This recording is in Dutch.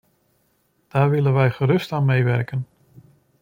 Daar willen wij gerust aan meewerken.